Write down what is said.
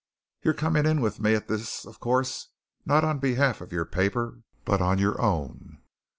You're coming in with me at this, of course not on behalf of your paper, but on your own.